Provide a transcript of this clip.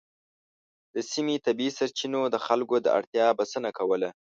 د سیمې طبیعي سرچینو د خلکو د اړتیا بسنه کوله.